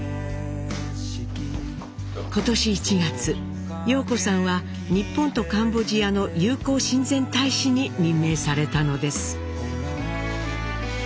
今年１月陽子さんは日本とカンボジアの友好親善大使に任命されたのです。